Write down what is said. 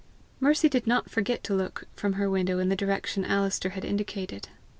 Mercy did not forget to look from her window in the direction Alister had indicated.